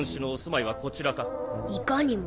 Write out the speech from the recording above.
いかにも。